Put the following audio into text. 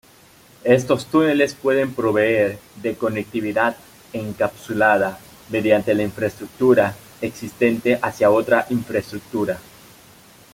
Estos túneles pueden proveer de conectividad encapsulada mediante la infraestructura existente hacia otra infraestructura.